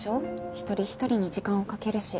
一人一人に時間をかけるし。